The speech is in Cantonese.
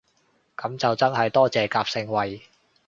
噉就真係多謝夾盛惠